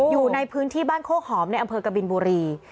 อยู่ในพื้นที่บ้านโคกหอมในอำเภอกบินบุรี